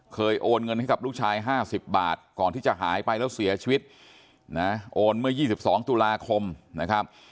โอนเงินให้กับลูกชาย๕๐บาทก่อนที่จะหายไปแล้วเสียชีวิตนะโอนเมื่อ๒๒ตุลาคมนะครับ